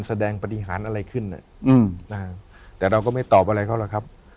แสดงปฏิหารอะไรขึ้นแต่เราก็ไม่ตอบอะไรเขาหรอกครับ